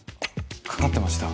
かかってました。